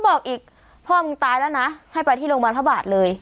บอกอีกพ่อมึงตายแล้วนะให้ไปที่โรงพยาบาลพระบาทเลย